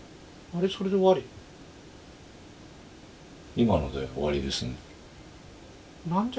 今ので終わりですね。